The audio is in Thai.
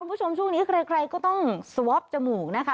คุณผู้ชมช่วงนี้ใครก็ต้องสวอปจมูกนะคะ